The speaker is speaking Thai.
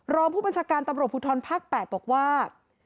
รองผู้บัญชาการตำรวจภูทรภาค๘บอกว่า